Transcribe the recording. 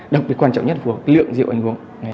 đặc biệt quan trọng nhất là phụ thuộc vào lượng rượu anh uống